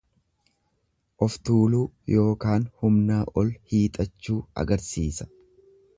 Oftuuluu yookaan humnaa ol hiixachuu agarsiisa.